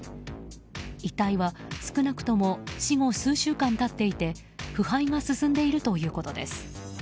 遺体は少なくとも死後数週間経っていて腐敗が進んでいるということです。